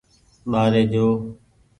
ٻآري جو۔